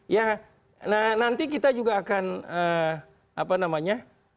ya nah nanti kita juga akan apa namanya